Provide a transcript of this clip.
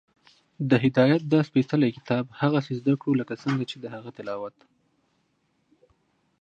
د هدایت دا سپېڅلی کتاب هغسې زده کړو، لکه څنګه چې د هغه تلاوت